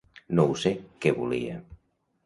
No ho sé, què volia.